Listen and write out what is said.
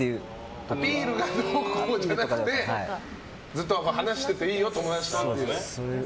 アピールがどうこうじゃなくてずっと話してていいよ友達とっていうね。